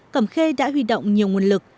cẩm khê đã huy động nhiều nguồn lực